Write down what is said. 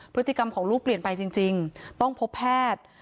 พฤติกรรมของลูกเปลี่ยนไปจริงต้องพบแพทย์